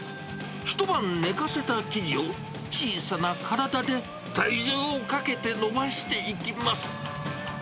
一晩寝かせた生地を、小さな体で体重をかけて延ばしていきます。